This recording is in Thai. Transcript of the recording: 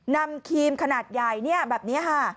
นำครีมขนาดใหญ่เนี่ยแบบนี้ค่ะ